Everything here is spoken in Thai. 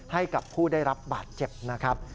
ให้กับผู้ได้รับบาดเจ็บนะครับ